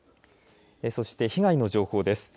そして被害の情報です。